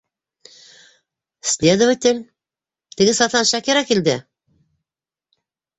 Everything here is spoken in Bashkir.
Следователь... теге сатан Шакира килде!